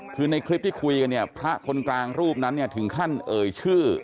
คือในคลิปที่คุยกันเนี่ยพระคนกลางรูปนั้นเนี่ยถึงขั้นเอ่ยชื่อ